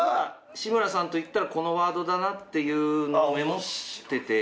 志村さんといったらこのワードだなっていうのをメモってて。